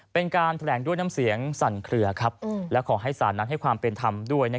เป็นการแถลงด้วยน้ำเสียงสั่นเคลือและขอให้ศาลนั้นให้ความเป็นธรรมด้วย